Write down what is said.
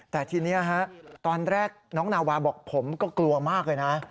แต่ทีนี้ตอนแรกน้องนาวาบอกผมก็กลัวมากเลยนะ